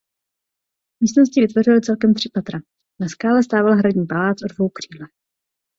Místnosti vytvořily celkem tři patra.. Na skále stával hradní palác o dvou křídlech.